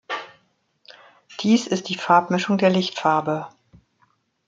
Dies ist die Farbmischung der Lichtfarbe.